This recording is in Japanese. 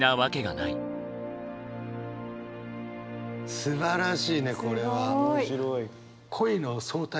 すばらしいねこれは。